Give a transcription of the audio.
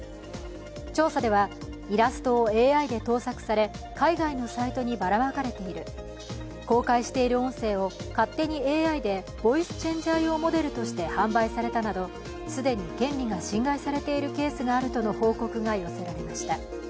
調査では、イラストをＡＩで盗作され海外のサイトにばらまかれている、公開している音声を勝手にＡＩでボイスチェンジャー用モデルとして販売されたなど既に権利が侵害されているケースがあるとの報告が寄せられました。